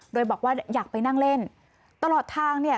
โดยบอกว่าอยากไปนั่งเล่นตลอดทางเนี่ย